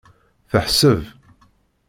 Teḥseb.